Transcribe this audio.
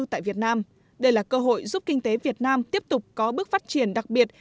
đây là cơ hội giúp kinh tế việt nam tiếp tục có bước phát triển đặc biệt